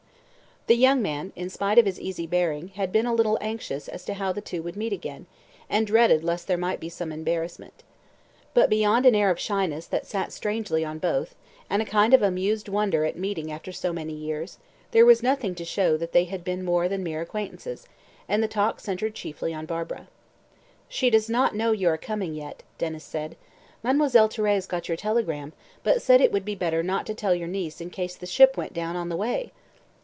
The young man, in spite of his easy bearing, had been a little anxious as to how the two would meet again, and dreaded lest there might be some embarrassment. But beyond an air of shyness that sat strangely on both, and a kind of amused wonder at meeting after so many years, there was nothing to show that they had been more than mere acquaintances, and the talk centred chiefly on Barbara. "She does not know you are coming yet," Denys said. "Mademoiselle Thérèse got your telegram, but said it would be better not to tell your niece in case the ship went down on the way!"